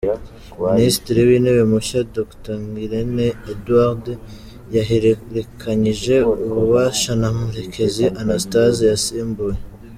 Minisitiri w’Intebe mushya, Dr Ngirente Edouard, yahererekanyije ububasha na Murekezi Anastase yasimbuye